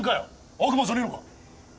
悪魔じゃねえのか？